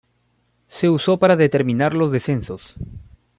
Se usó para determinar los descensos.